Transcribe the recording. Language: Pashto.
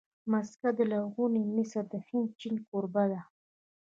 مځکه د لرغوني مصر، هند، چین کوربه ده.